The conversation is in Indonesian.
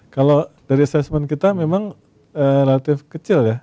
kalau dari asesmen kita memang relatif kecil ya